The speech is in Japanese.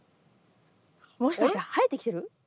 もしかして生えてきてる？